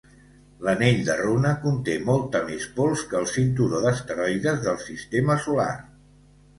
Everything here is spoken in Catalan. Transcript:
L'anell de runa conté molta més pols que el cinturó d'asteroides del sistema solar.